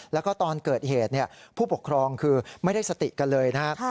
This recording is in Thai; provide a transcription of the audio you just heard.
แล้วก็ตอนเกิดเหตุผู้ปกครองคือไม่ได้สติกันเลยนะครับ